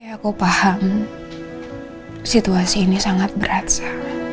ya aku paham situasi ini sangat berat sa